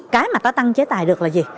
cái mà ta tăng chế tài được là gì